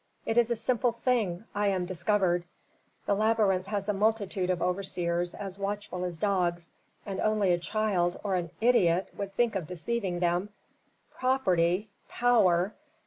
It is a simple thing, I am discovered! The labyrinth has a multitude of overseers as watchful as dogs, and only a child, or an idiot, would think of deceiving them. Property power!